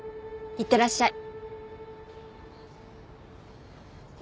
いってらっしゃい。